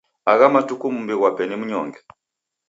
Agha matuku mumbi ghwape ni mnyonge.